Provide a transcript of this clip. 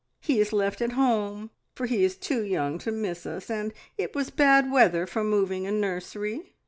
He is left at home, for he is too young to miss us, and it was bad weather for moving a nursery.